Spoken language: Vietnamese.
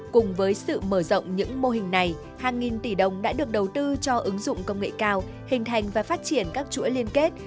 cùng với sự mở rộng những mô hình này hàng nghìn tỷ đồng đã được đầu tư cho ứng dụng công nghệ cao hình thành và phát triển các chuỗi liên kết